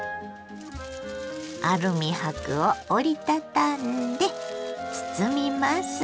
アルミ箔を折り畳んで包みます。